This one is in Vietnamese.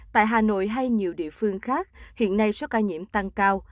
tại hà nội hay nhiều địa phương khác hiện nay số ca nhiễm tăng cao